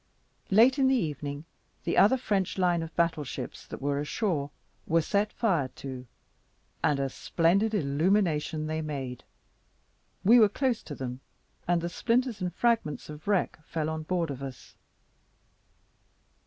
Late in the evening, the other French line of battle ships that were ashore were set fire to, and a splendid illumination they made: we were close to them, and the splinters and fragments of wreck fell on board of us.